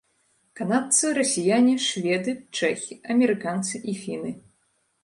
Канадцы, расіяне, шведы, чэхі, амерыканцы і фіны.